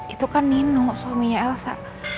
itu kan nino suaminya elsa